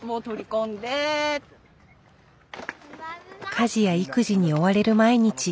家事や育児に追われる毎日。